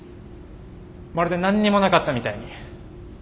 まるで何にもなかったみたいに。